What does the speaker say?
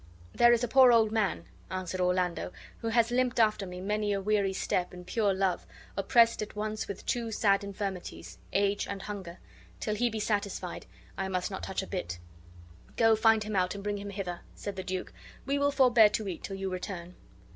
"There is an old poor man," answered Orlando, "who has limped after me many a weary step in pure love, oppressed at once with two sad infirmities, age and hunger; till he be satisfied I must not touch a bit." "Go, find him out and bring him hither," said the duke. "We will forbear to eat till you return."